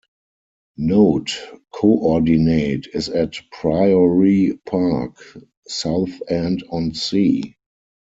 "Note: Coordinate is at Priory Park, Southend on Sea"